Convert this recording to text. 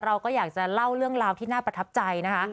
เราก็อยากจะเล่าเรื่องราวที่น่าประทับใจนะคะ